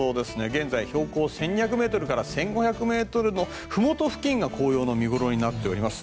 現在、標高１２００ｍから１５００ｍのふもと付近が紅葉の見頃になっています。